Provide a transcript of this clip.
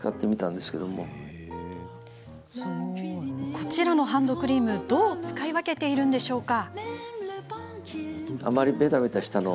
これらのハンドクリームどう使い分けているんでしょうか。